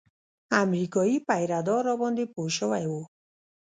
امريکايي پيره دار راباندې پوه سوى و.